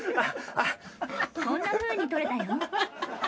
こんなふうに撮れたよ。